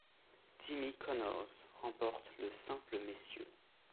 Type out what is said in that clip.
Jimmy Connors remporte le simple messieurs.